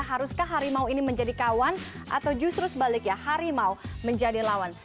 haruskah harimau ini menjadi kawan atau justru sebaliknya harimau menjadi lawan